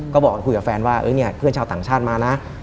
ก็บอกคุยกับแฟนว่าเนี่ยเพื่อนชาวต่างชาติมานะ